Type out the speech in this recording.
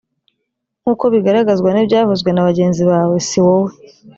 nk’uko bigaragazwa n’ibyavuzwe na bagenzi bawe si wowe